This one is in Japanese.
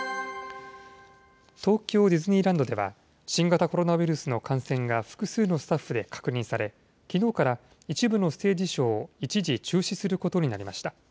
東京ディズニーランドでは、新型コロナウイルスの感染が複数のスタッフで確認され、きのうから一部のステージショーを一時中止することになりました。